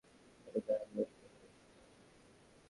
এবার এমনভাবে আন্দোলন নামতে হবে, যেন জয়ী হয়ে ফিরে আসা যায়।